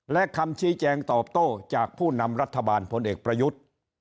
และคำชี้แจงตอบโต้จากผู้นำรัฐบาลพลเอกประยุทธ์